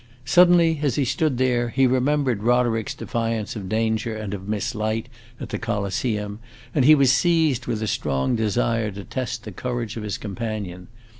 Suddenly, as he stood there, he remembered Roderick's defiance of danger and of Miss Light, at the Coliseum, and he was seized with a strong desire to test the courage of his companion.